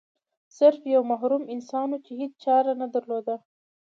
سرف یو محروم انسان و چې هیڅ چاره نه درلوده.